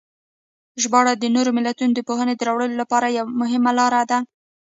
ژباړه د نورو ملتونو د پوهې د راوړلو یوه مهمه لاره ده.